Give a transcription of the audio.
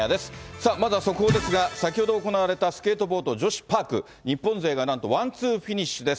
さあ、まずは速報ですが、先ほど行われたスケートボード女子パーク、日本勢がなんとワンツーフィニッシュです。